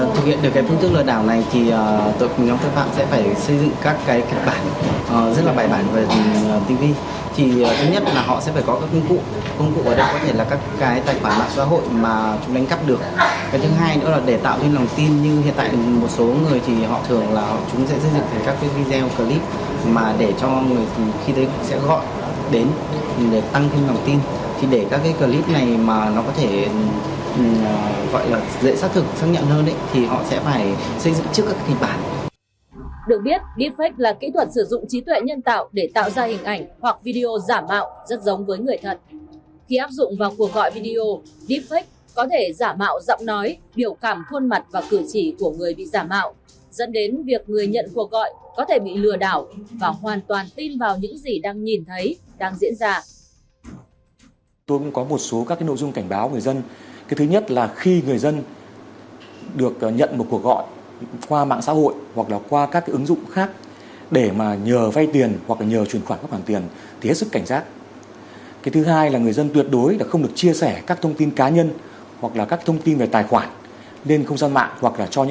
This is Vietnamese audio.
theo lực lượng chức năng đặc điểm chức năng đặc điểm chức năng đặc điểm chức năng đặc điểm chức năng đặc điểm chức năng đặc điểm chức năng đặc điểm chức năng đặc điểm chức năng đặc điểm chức năng đặc điểm chức năng đặc điểm chức năng đặc điểm chức năng đặc điểm chức năng đặc điểm chức năng đặc điểm chức năng đặc điểm chức năng đặc điểm chức năng đặc điểm chức năng đặc điểm chức năng đặc điểm chức năng đặc điểm chức năng đặc điểm chức năng đặc điểm chức năng đặc điểm